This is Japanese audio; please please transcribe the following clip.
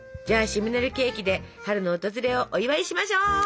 じゃあシムネルケーキで春の訪れをお祝いしましょう！